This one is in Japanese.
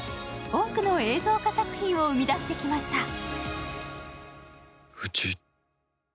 多くの映像化作品を生み出してきました。